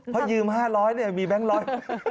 พอยืม๕๐๐เนี่ยมีบ๊างก์๑๐๐